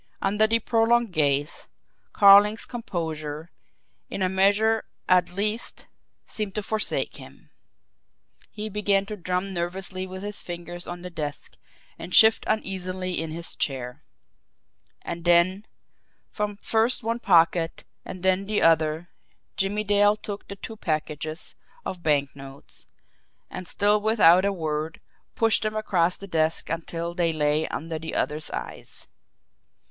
Under the prolonged gaze, Carling's composure, in a measure at least, seemed to forsake him. He began to drum nervously with his fingers on the desk, and shift uneasily in his chair. And then, from first one pocket and then the other, Jimmie Dale took the two packages of banknotes, and, still with out a word, pushed them across the desk until they lay under the other's eyes.